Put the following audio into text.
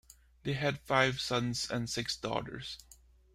They had five sons and six daughters.